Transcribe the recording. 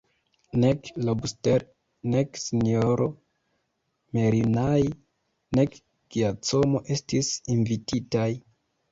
Nek Lobster, nek S-ro Merinai, nek Giacomo estis invititaj.